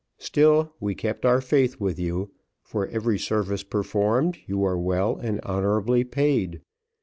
Still we kept our faith with you; for every service performed, you were well and honourably paid.